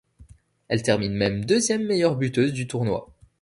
Elle termine même deuxième meilleure buteuse du tournoi.